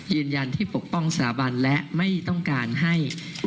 ยืนยันที่ปกป้องสถาบันและไม่ต้องการให้